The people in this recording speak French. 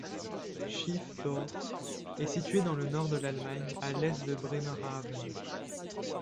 Schiffdorf est située dans le nord de l'Allemagne, à l'est de Bremerhaven.